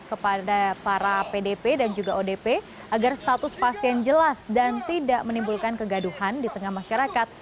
kepada para pdp dan juga odp agar status pasien jelas dan tidak menimbulkan kegaduhan di tengah masyarakat